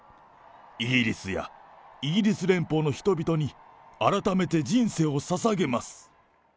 イギリスやイギリス連邦の人々に、あらためて人生をささげます。